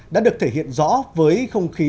đã được thể hiện rõ với không khí